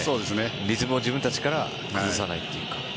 リズムを自分たちから崩さないっていうか。